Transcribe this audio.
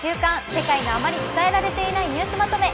世界のあまり伝えられていないニュースまとめ」。